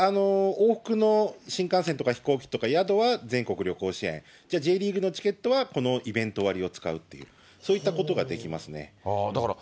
往復の新幹線とか飛行機とか宿は全国旅行支援、Ｊリーグのチケットはこのイベント割を使うという、そういったこだから。